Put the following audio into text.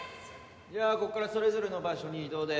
じゃあこっからそれぞれの場所に移動で。